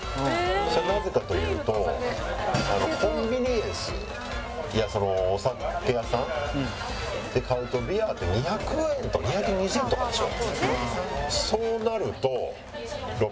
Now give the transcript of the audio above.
それはなぜかというとコンビニエンスやお酒屋さんで買うとビアって２００円とか２２０円とかでしょ。